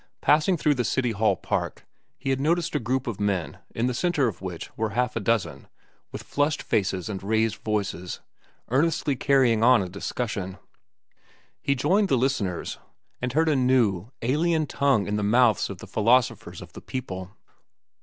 Passing through the City Hall Park, he had noticed a group of men, in the centre of which were half a dozen, with flushed faces and raised voices, earnestly carrying on a discussion. He joined the listeners, and heard a new, alien tongue in the mouths of the philosophers of the people.